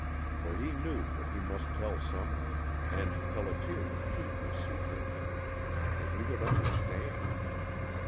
For he knew that he must tell some one, and Pelliter would keep his secret. And he would understand.